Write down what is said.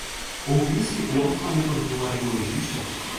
Ouviste o oftalmotorrinolaringologista?